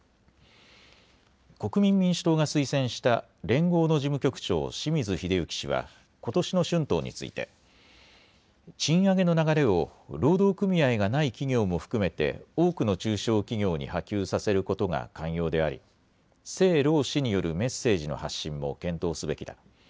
国民民主党が推薦した連合の事務局長、清水秀行氏はことしの春闘について賃上げの流れを労働組合がない企業も含めて多くの中小企業に波及させることが肝要であり政労使によるメッセージの発信も検討すべきだ。